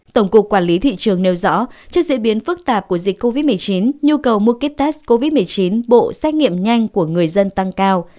tổng cục quản lý thị trường nêu rõ trước diễn biến phức tạp của dịch covid một mươi chín nhu cầu mua kích tết covid một mươi chín bộ xét nghiệm nhanh của người dân tăng cao